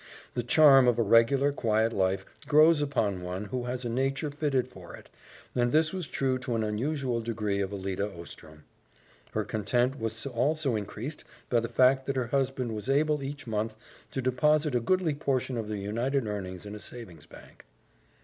The charm of a regular, quiet life grows upon one who has a nature fitted for it, and this was true to an unusual degree of Alida Ostrom. Her content was also increased by the fact that her husband was able each month to deposit a goodly portion of their united earnings in a savings bank.